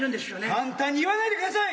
簡単に言わないでください！